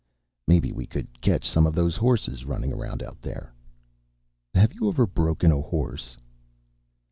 "Maybe we could catch some of those horses running around out there." "Have you ever broken a horse?"